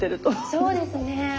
そうですね。